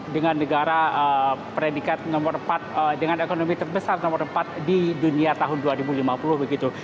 dengan negara predikat nomor empat dengan ekonomi terbesar nomor empat di dunia tahun dua ribu lima puluh begitu